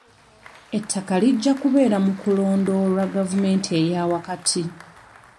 Ettaka lijja kubeera mu kulondoolwa gavumenti eya wakati.